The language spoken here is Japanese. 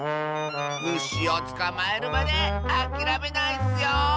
むしをつかまえるまであきらめないッスよ！